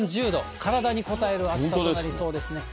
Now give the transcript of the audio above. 体にこたえる暑さとなりそうですね。